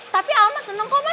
tapi alma seneng kok ma